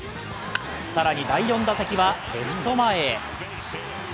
更に第４打席はレフト前へ。